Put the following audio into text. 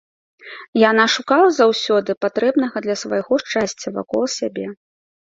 Яна шукала заўсёды патрэбнага для свайго шчасця вакол сябе.